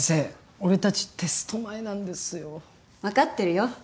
俺たちテスト前なんですよ。分かってるよ。